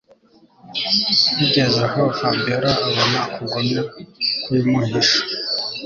Bigezaho Fabiora abona kugumya kubimuhisha